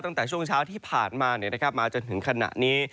ตั้งแต่ช่วงเช้าที่ผ่านมามาจนถึงขณะนี้